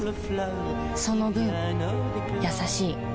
その分優しい